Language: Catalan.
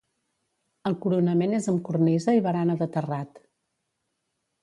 El coronament és amb cornisa i barana de terrat.